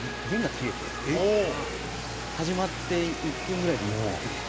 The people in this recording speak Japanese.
始まって１分ぐらいで１本切れて。